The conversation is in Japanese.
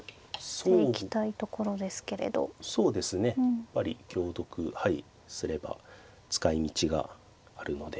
やっぱり香得はいすれば使いみちがあるので。